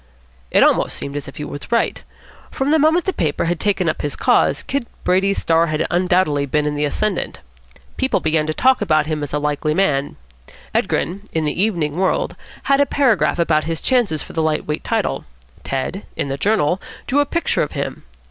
It almost seemed as if he were right. From the moment the paper had taken up his cause, Kid Brady's star had undoubtedly been in the ascendant. People began to talk about him as a likely man. Edgren, in the Evening World, had a paragraph about his chances for the light weight title. Tad, in the Journal, drew a picture of him.